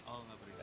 oh enggak perintah